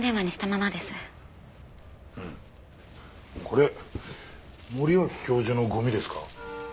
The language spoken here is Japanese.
これ森脇教授のゴミですか？